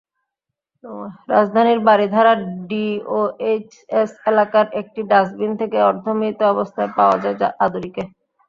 রাজধানীর বারিধারা ডিওএইচএস এলাকার একটি ডাস্টবিন থেকে অর্ধমৃত অবস্থায় পাওয়া যায় আদুরিকে।